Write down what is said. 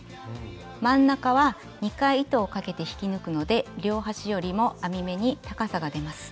真ん中は２回糸をかけて引き抜くので両端よりも編み目に高さが出ます。